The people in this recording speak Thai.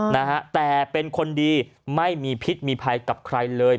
นะฮะแต่เป็นคนดีไม่มีพิษมีภัยกับใครเลย